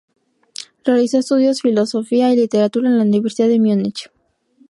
Realizó estudios filosofía y literatura en la Universidad de Múnich.